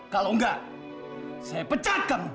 kalau nggak saya pecat kamu